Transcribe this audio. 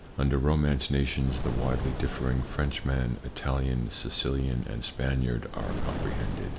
Under Romance nations the widely differing Frenchman, Italian, Sicilian and Spaniard are comprehended.